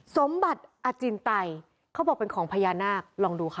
สมบัติอจินไตเขาบอกเป็นของพญานาคลองดูค่ะ